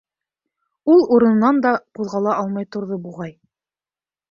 Ул урынынан да ҡуҙғала алмай торҙо, буғай.